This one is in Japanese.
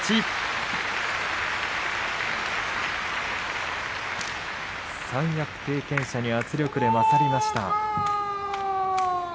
拍手三役経験者に圧力で勝りました。